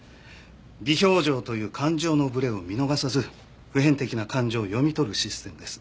微表情という感情のブレを見逃さず普遍的な感情を読み取るシステムです。